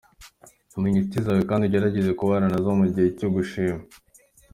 Menya inshuti zawe kandi ugerageze kubana nazo mu gihe cyo kwishima.